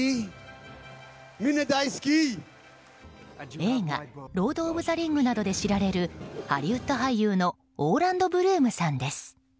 映画「ロード・オブ・ザ・リング」などで知られるハリウッド俳優のオーランド・ブルームさんです。